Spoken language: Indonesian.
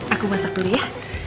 aku masak dulu ya